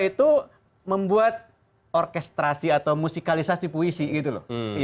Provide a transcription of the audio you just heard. itu membuat orkestrasi atau musikalisasi puisi gitu loh